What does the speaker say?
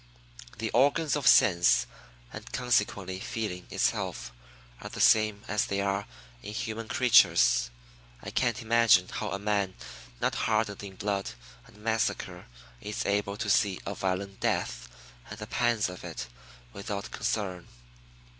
The organs of sense, and consequently feeling itself, are the same as they are in human creatures. I can't imagine how a man not hardened in blood and massacre is able to see a violent death, and the pangs of it, without concern.